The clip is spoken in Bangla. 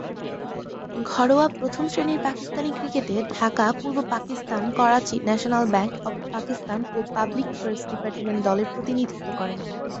ঘরোয়া প্রথম-শ্রেণীর পাকিস্তানি ক্রিকেটে ঢাকা, পূর্ব Pakistan, Karachi, national bank of Pakistan ও পাবলিক ওয়ার্কস ডিপার্টমেন্ট দলের প্রতিনিধিত্ব করেন।